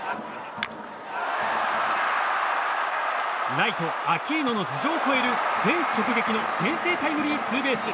ライト、アキーノの頭上を越えるフェンス直撃の先制タイムリーツーベース。